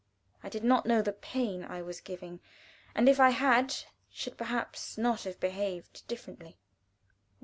I did not know the pain I was giving, and if I had, should perhaps not have behaved differently.